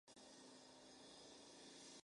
Se encuentra en Nueva Gales del Sur y Queensland.